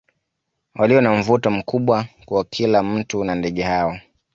Walio na mvuto mkubwa kwa kila mtu na ndege hao